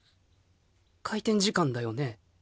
開店時間だよね？